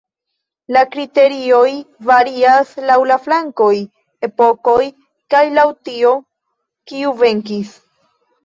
La kriterioj varias laŭ la flankoj, epokoj kaj laŭ tio, kiu venkis.